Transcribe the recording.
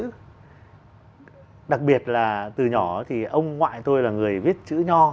nghệ thuật viết là từ nhỏ thì ông ngoại tôi là người viết chữ nho